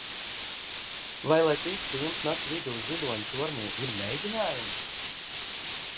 Vai lai ticu, ka jums nakts vidū ziloņa tornī ir mēģinājums?